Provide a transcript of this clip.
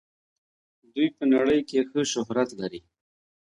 دوی په نړۍ کې ښه شهرت لري.